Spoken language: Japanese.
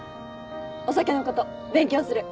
お酒のこと勉強する！